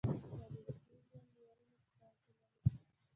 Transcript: دا د واقعي ژوند معيارونه په پام کې نه نیسي